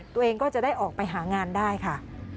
ตัวเองก็จะได้ออกไปหางานได้ค่ะ